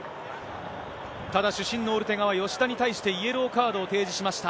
ただ、主審のオルテガは、吉田に対してイエローカードを提示しました。